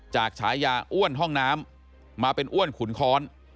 ฉายาอ้วนห้องน้ำมาเป็นอ้วนขุนค้อน